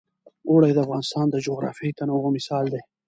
اوړي د افغانستان د جغرافیوي تنوع مثال دی.